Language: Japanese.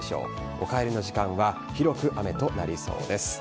お帰りの時間は広く雨となりそうです。